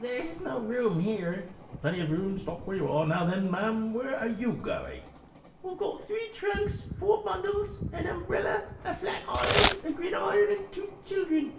there is no room here.'' Porter. " Plenty of room; stop where you are. Now, then, ma'am, are you going?" Fat Lady. "Ive got three trunks, four bundles, an umbrella, a flat iron, a gridiron, and two childer." Porter.